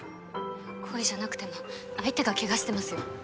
故意じゃなくても相手がケガしてますよ